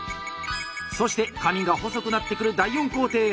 そして紙が細くなってくる第４工程花びら折り。